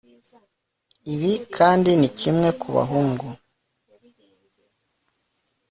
ibi kandi ni kimwe ku bahungu